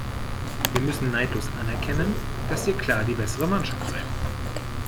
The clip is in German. Wir müssen neidlos anerkennen, dass ihr klar die bessere Mannschaft seid.